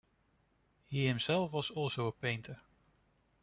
He himself was also a painter.